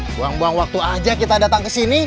buang buang waktu aja kita datang ke sini